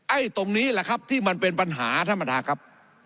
ตรงนี้แหละครับที่มันเป็นปัญหาท่านประธานครับ